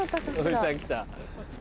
おじさん来た。